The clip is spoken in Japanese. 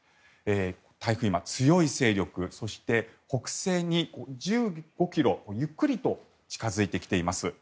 台風、今、強い勢力そして北西に１５ｋｍゆっくりと近付いてきています。